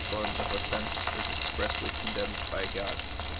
form of offence is expressly condemned by God.